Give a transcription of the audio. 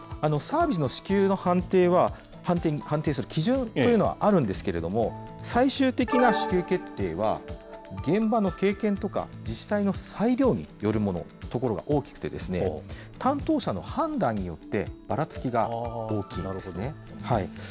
サービスの支給の判定は、判定する基準というのはあるんですけど、最終的な支給決定は、現場の経験とか、自治体の裁量によるところが大きくて、担当者の判断によってばらつきが大きいんですね。